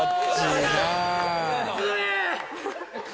「強え！」